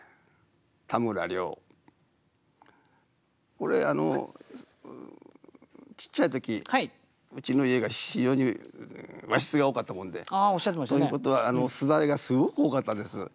これちっちゃい時うちの家が非常に和室が多かったもんでということは簾がすごく多かったんです。